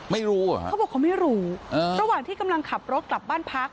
ไม่รู้เหรอฮะเขาบอกเขาไม่รู้ระหว่างที่กำลังขับรถกลับบ้านพัก